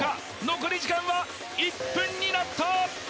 残り時間は１分になった！